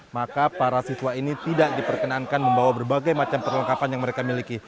maka para siswa ini tidak diperkenankan membawa berbagai macam perlengkapan yang mereka miliki